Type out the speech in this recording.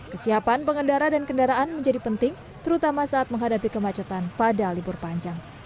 kesiapan pengendara dan kendaraan menjadi penting terutama saat menghadapi kemacetan pada libur panjang